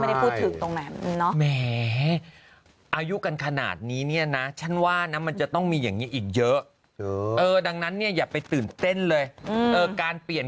อีฟต้องแหมอายุกันขนาดนี้นี่นะฉันว่าน้ำมันจะต้องมีอย่างนี้อีกเยอะดังนั้นเนี่ยอย่าไปตื่นเต้นเลยการเปลี่ยน